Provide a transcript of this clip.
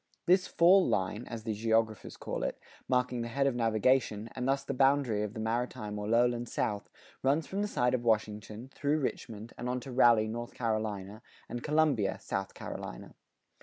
This "fall line," as the geographers call it, marking the head of navigation, and thus the boundary of the maritime or lowland South, runs from the site of Washington, through Richmond, and on to Raleigh, North Carolina, and Columbia, South Carolina.